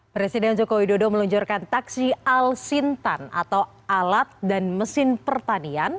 presiden joko widodo meluncurkan taksi al sintan atau alat dan mesin pertanian